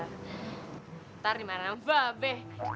ntar dimarain sama ba be